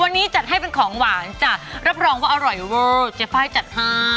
วันนี้จัดให้เป็นของหวานจ้ะรับรองว่าอร่อยเวอร์เจ๊ไฟล์จัดให้